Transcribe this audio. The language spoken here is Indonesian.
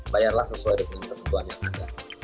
bayarlah sesuai dengan ketentuan yang ada